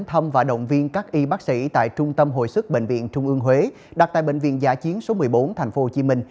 hội sức bệnh viện trung ương huế đặt tại bệnh viện giả chiến số một mươi bốn tp hcm